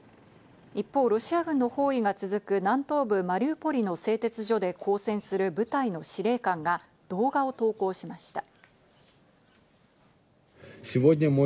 一方、ロシア軍の包囲が続く南東部マリウポリの製鉄所で抗戦する部隊の司令官が動画を投稿しました。